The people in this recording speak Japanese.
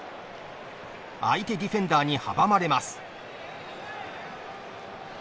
相手ディフェンダーに阻まれます。